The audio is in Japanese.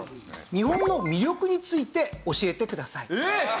日本の魅力について教えてください。